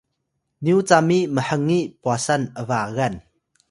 nyu cami mhngi-pwasan-’bagan